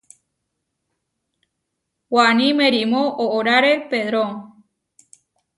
Waní merimó oʼórare pedro.